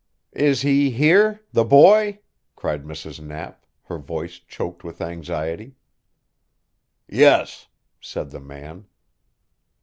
"Is he here the boy?" cried Mrs. Knapp, her voice choked with anxiety. "Yes," said the man.